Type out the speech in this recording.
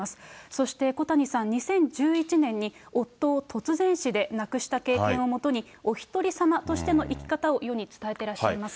そして小谷さん、２０１１年に夫を突然死で亡くした経験をもとに、おひとりさまとしての生き方を世に伝えてらっしゃいます。